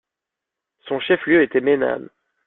Son chef-lieu était Menaam.